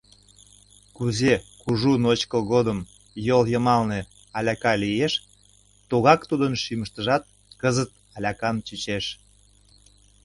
Кузе кужу ночко годым йол йымалне аляка лиеш, тугак тудын шӱмыштыжат кызыт алякан чучеш.